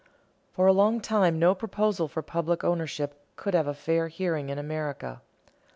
For a long time no proposal for public ownership could have a fair hearing in America.